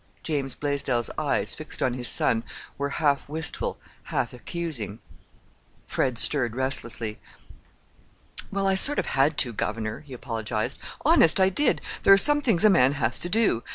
James Blaisdell's eyes, fixed on his son, were half wistful, half accusing. Fred stirred restlessly. "Well, I sort of had to, governor," he apologized. "Honest, I did. There are some things a man has to do!